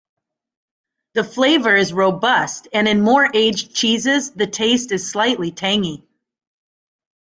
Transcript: The flavor is robust, and in more aged cheeses the taste is slightly tangy.